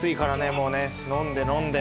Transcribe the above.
もうね飲んで飲んで。